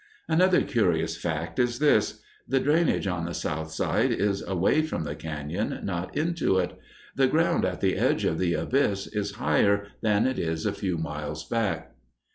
Another curious fact is this: the drainage on the south side is away from the cañon, not into it. The ground at the edge of the abyss is higher than it is a few miles back.